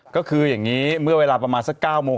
ก็คืออย่างนี้เมื่อเวลาประมาณสัก๙โมง